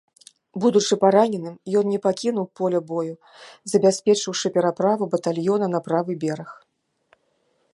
Будучы параненым, ён не пакінуў поля бою, забяспечыўшы пераправу батальёна на правы бераг.